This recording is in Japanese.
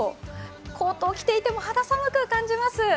コートを着ていても肌寒く感じます。